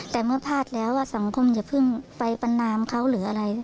แต่เมื่อพลาดแล้วสังคมอย่าเพิ่งไปปันนามเขาหรืออะไร